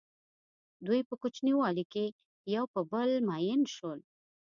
دوی په کوچنیوالي کې په یو بل مئین شول.